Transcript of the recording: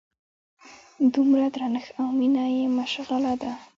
دومره درنښت او مینه یې مشغله ده.